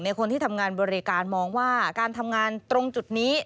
คนที่ทำงานบริการมองว่าการทำงานตรงจุดนี้